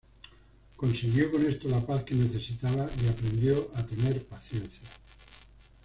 Consiguió con esto la paz que necesitaba y aprendió a tener paciencia.